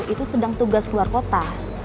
itu sedang tugas luar kota